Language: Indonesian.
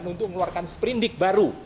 untuk mengeluarkan sprendik baru